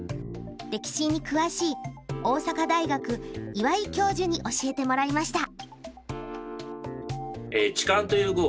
歴史に詳しい大阪大学岩井教授に教えてもらいました。